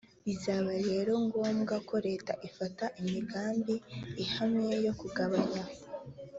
bizaba rero ngombwa ko leta ifata imigambi ihamye yo kugabanya